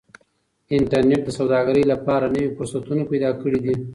انټرنيټ د سوداګرۍ لپاره نوي فرصتونه پیدا کړي دي.